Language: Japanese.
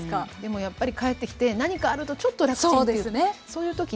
でもやっぱり帰ってきて何かあるとちょっと楽ちんという。